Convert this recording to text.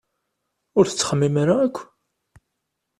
Ur tettxemmim ara akk!